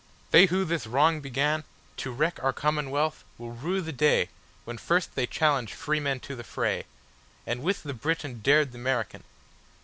They who this wrong beganTo wreck our commonwealth, will rue the dayWhen first they challenged freemen to the fray, And with the Briton dared the American.